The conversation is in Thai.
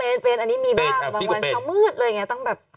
เป็นอันนี้มีบ้างว่างวันเช้ามืดเลยอย่างนี้